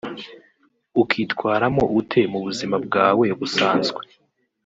ukitwaramo ute mu buzima bwawe busanzwe